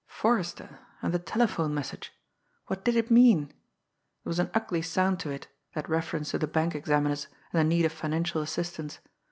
Forrester and the telephone message! What did it mean? There was an ugly sound to it, that reference to the bank examiners and the need of financial assistance.